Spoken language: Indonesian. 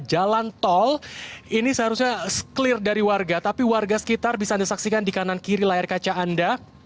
jalan tol ini seharusnya clear dari warga tapi warga sekitar bisa anda saksikan di kanan kiri layar kaca anda